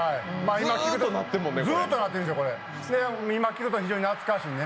今、聞くと非常に懐かしいので。